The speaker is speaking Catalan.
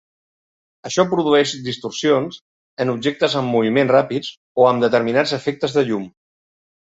Això produeix distorsions en objectes amb moviments ràpids o amb determinats efectes de llum.